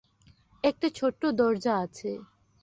একটা ছোট্ট দরজা আছে।